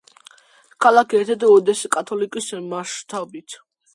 ქალაქი ერთ-ერთი უდიდესია კატალონიის მასშტაბით.